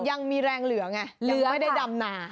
ยังมีแรงเหลือไงเหลือไม่ได้ดำนา